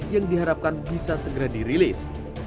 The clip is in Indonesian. yang diharapkan bisa segera dirilis